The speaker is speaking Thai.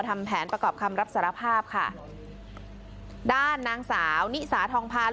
ทำแผนประกอบคำรับสารภาพค่ะด้านนางสาวนิสาทองพาน